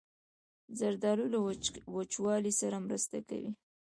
زردالو له وچوالي سره مرسته کوي.